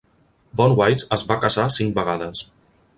Bonewits es va casar cinc vegades.